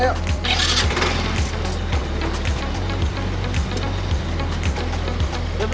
udah udah udah